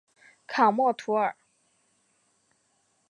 卡默图尔。